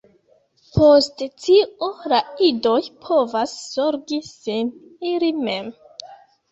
Post tio, la idoj povas zorgi sin ili mem.